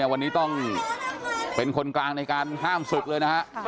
วันนี้ต้องเป็นคนกลางในการห้ามศึกเลยนะฮะ